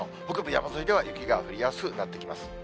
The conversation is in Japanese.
北部山沿いでは雪が降りやすくなってきます。